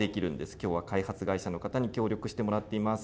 きょうは開発会社の方に協力してもらっています。